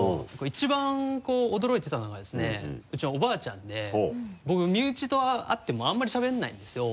一番驚いてたのがですねウチのおばあちゃんで僕身内と会ってもあんまりしゃべらないんですよ。